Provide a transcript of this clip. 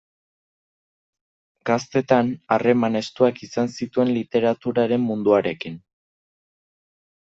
Gaztetan, harreman estuak izan zituen literaturaren munduarekin.